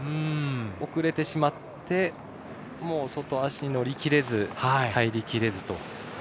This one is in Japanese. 遅れてしまってもう、外足が乗り切れず入りきれずと。